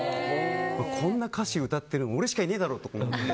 こんな歌詞歌ってるの俺しかいないだろと思って。